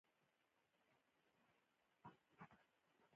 کارګران د خوندیتوب قوانینو ته غاړه ږدي.